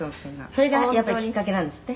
「それがやっぱりきっかけなんですって？」